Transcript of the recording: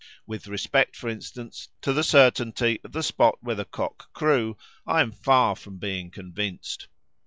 With respect, for instance, to the certainty of the spot where the cock crew, I am far from being convinced.